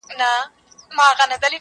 • اوس له كندهاره روانـېـــږمه.